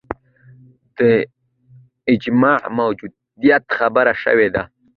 د اجماع موجودیت خبره شوې ده